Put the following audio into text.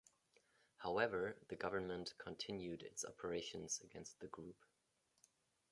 However, the Government continued its operations against the group.